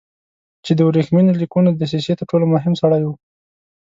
چې د ورېښمینو لیکونو د دسیسې تر ټولو مهم سړی و.